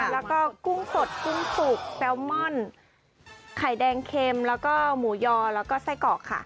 แล้วก็กุ้งสดกุ้งสุกแซลมอนไข่แดงเค็มแล้วก็หมูยอแล้วก็ไส้เกาะค่ะ